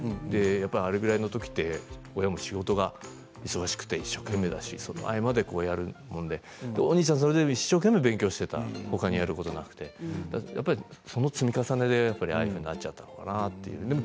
あれぐらいの時って親も仕事が忙しくて一生懸命だしその合間にやるのでお兄ちゃんは、それでも一生懸命勉強していた他にやることがなくてその積み重ねでああなってしまったのかなと。